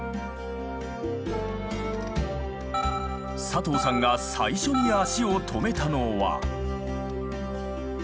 佐藤さんが最初に足を止めたのは。